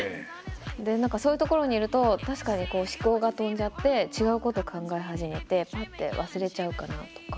そういう所にいると確かに思考が飛んじゃって違うことを考え始めてパッて忘れちゃうかなとか。